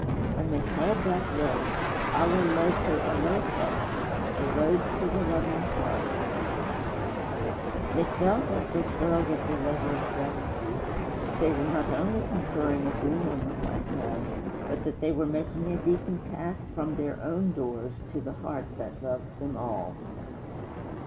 And they called that road Ala Loto Alofa The Road to the Loving Heart. They felt, as they toiled at their labor of gratitude, that they were not only conferring a boon on the white man, but that they were making a beaten path from their own doors to the heart that loved them all.